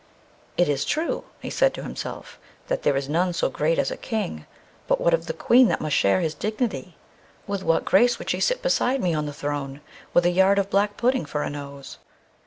"It is true," he said to himself, "that there is none so great as a King, but what of the Queen that must share his dignity? With what grace would she sit beside me on the throne with a yard of black pudding for a nose?"